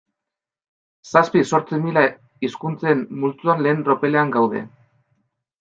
Zazpi-zortzi mila hizkuntzen multzoan lehen tropelean gaude.